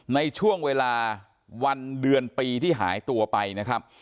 ในช่วงเวลาวันเดือนปีที่หายตัวไปนะครับ